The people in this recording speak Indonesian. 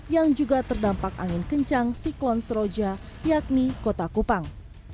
yang juga terdampak angin kencang siklon seroja yakni kota kupang